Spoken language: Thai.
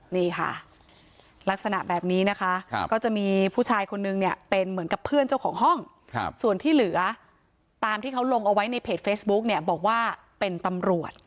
นี่ค่ะลักษณะแบบนี้นะคะก็จะมีผู้ชายคนนึงเนี่ยเป็นเหมือนกับเพื่อนเจ้าของห้องส่วนที่เหลือตามที่เขาลงเอาไว้ในเพจเฟซบุ๊กเนี่ยบอกว่าเป็นตำรวจ